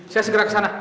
saya segera kesana